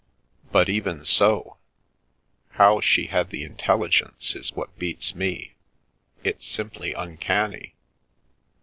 even so, how she had the intelligence is what beats It's simply uncanny.